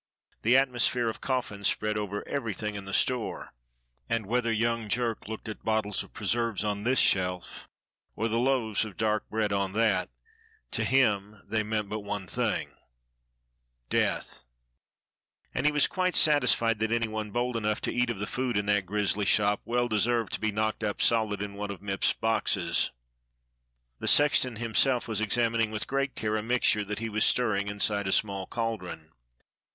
The atmosphere of coffins spread over everything in the store, and whether young Jerk looked at the bottles of preserves on this shelf or the loaves of dark bread on that, to him they meant but one thing : Death ! And he was quite satisfied that any one bold enough to eat of the food in that grizzly shop well deserved to be knocked up solid in one of Mipps's boxes. The sexton himself was examining with great care a mixture that he was stirring inside a small cauldron.